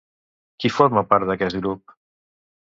Qui forma part d'aquest grup?